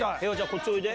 こっちおいで。